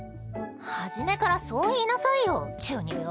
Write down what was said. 初めからそう言いなさいよ中二病。